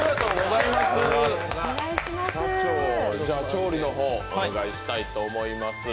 じゃあ、調理の方、お願いしたいと思います。